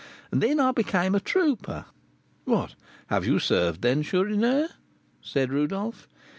and then I became a trooper." "What, you have served, then, Chourineur?" said Rodolph.